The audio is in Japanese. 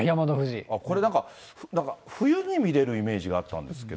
これなんか、冬に見れるイメージがあったんですけど。